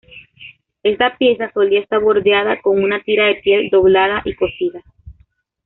Esta pieza solía estar bordeada con una tira de piel doblada y cosida.